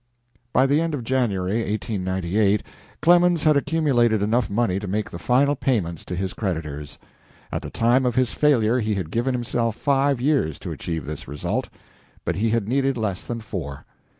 By the end of January, 1898, Clemens had accumulated enough money to make the final payments to his creditors. At the time of his failure he had given himself five years to achieve this result. But he had needed less than four.